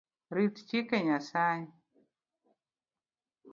Rit chike Nyasaye